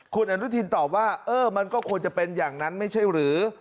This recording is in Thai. คุณอนุทินตอบว่าเออมันก็ควรจะเป็นอย่างนั้นไม่ใช่หรือ